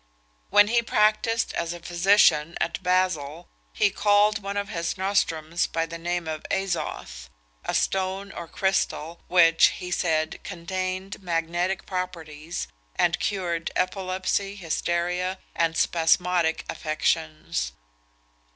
When he practised as a physician at Basle, he called one of his nostrums by the name of azoth a stone or crystal, which, he said, contained magnetic properties, and cured epilepsy, hysteria, and spasmodic affections.